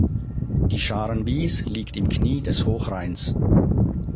Die Schaarenwies liegt im Knie des Hochrheins.